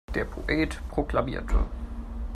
Der Poet proklamierte.